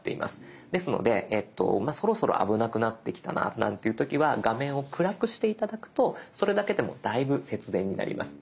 ですのでそろそろ危なくなってきたななんていう時は画面を暗くして頂くとそれだけでもだいぶ節電になります。